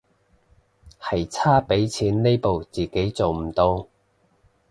係差畀錢呢步自己做唔到